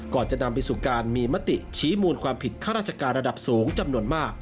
จะนำไปสู่การมีมติชี้มูลความผิดข้าราชการระดับสูงจำนวนมาก